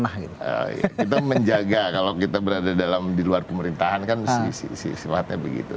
oh iya kita menjaga kalau kita berada di luar pemerintahan kan siwaknya begitu